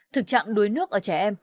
thực trạng đuối nước ở trẻ em